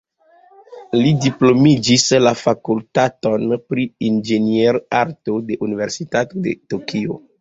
Li diplomiĝis la fakultaton pri inĝenierarto de Universitato de Tokio.